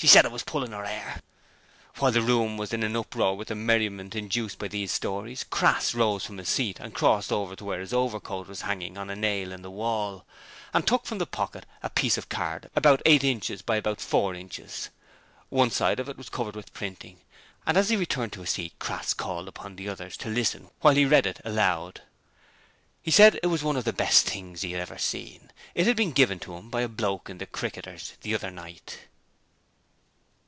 She said I was pullin' 'er 'air!' While the room was in an uproar with the merriment induced by these stories, Crass rose from his seat and crossed over to where his overcoat was hanging on a nail in the wall, and took from the pocket a piece of card about eight inches by about four inches. One side of it was covered with printing, and as he returned to his seat Crass called upon the others to listen while he read it aloud. He said it was one of the best things he had ever seen: it had been given to him by a bloke in the Cricketers the other night.